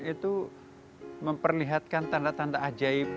itu memperlihatkan tanda tanda ajaib